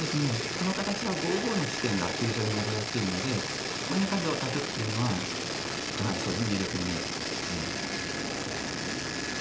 この形は５五の地点が急所になりやすいのでそこに数を足すっていうのはやはりそうですね有力に見えてきましたね。